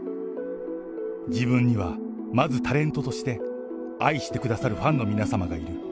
自分にはまずタレントとして、愛してくださるファンの皆様がいる。